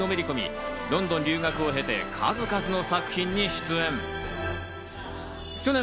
以来、その魅力にのめりこみ、ロンドン留学を経て、数々の作品に出演。